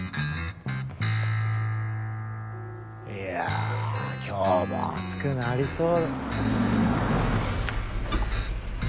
いや今日も暑くなりそう。